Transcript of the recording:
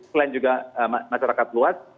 selain juga masyarakat luas